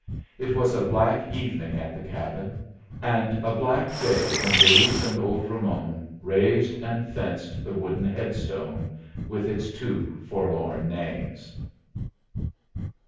It was a black evening at the cabin, and a black day when Luis and old Ramon raised and fenced the wooden head stone, with its two forlorn names.